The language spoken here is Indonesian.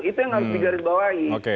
itu yang harus digeritbawahi